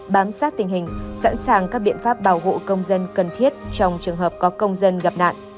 bám sát tình hình sẵn sàng các biện pháp bảo hộ công dân cần thiết trong trường hợp có công dân gặp nạn